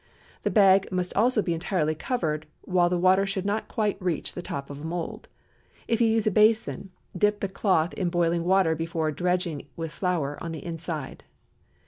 The bag must also be entirely covered, while the water should not quite reach to the top of a mould. If you use a basin, dip the cloth in boiling water before dredging with flour on the inside.